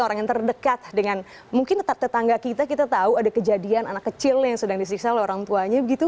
orang yang terdekat dengan mungkin tetangga kita kita tahu ada kejadian anak kecil yang sedang disiksa oleh orang tuanya begitu